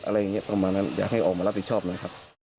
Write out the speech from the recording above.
อะไรอย่างนี้ประมาณนั้นอยากให้ออกมารับผิดชอบหน่อยครับ